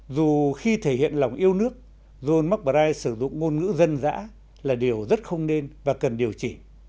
dù khi thể hiện lòng yêu nước john mcbright sử dụng ngôn ngữ dân dã là điều rất không nên và cần điều chỉ